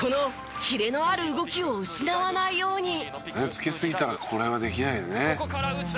「つけすぎたらこれはできないんだね」